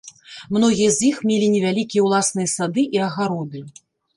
Многія з іх мелі невялікія ўласныя сады і агароды.